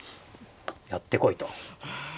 やってこいと。